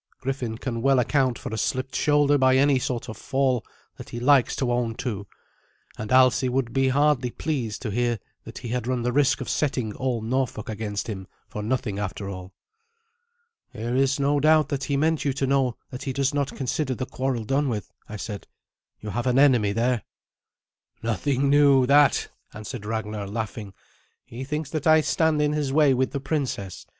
Griffin can well account for a slipped shoulder by any sort of fall that he likes to own to, and Alsi would be hardly pleased to hear that he had run the risk of setting all Norfolk against him for nothing after all." "There is no doubt that he meant you to know that he does not consider the quarrel done with," I said. "You have an enemy there." "Nothing new, that," answered Ragnar, laughing. "He thinks that I stand in his way with the princess.